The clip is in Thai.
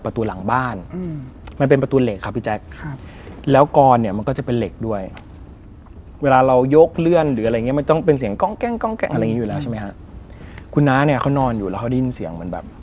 ถ้าพูดถึงเรื่องของผีของสาง